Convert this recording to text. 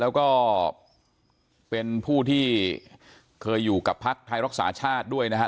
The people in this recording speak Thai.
แล้วก็เป็นผู้ที่เคยอยู่กับภักดิ์ไทยรักษาชาติด้วยนะครับ